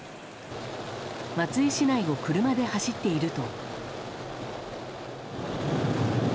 松江市内を車で走っていると。